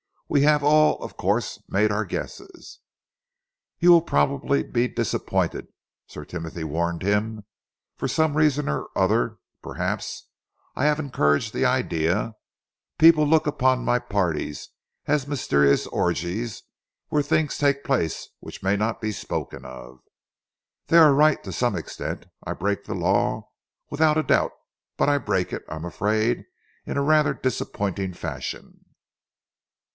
"We have all, of course, made our guesses." "You will probably be disappointed," Sir Timothy warned him. "For some reason or other perhaps I have encouraged the idea people look upon my parties as mysterious orgies where things take place which may not be spoken of. They are right to some extent. I break the law, without a doubt, but I break it, I am afraid, in rather a disappointing fashion."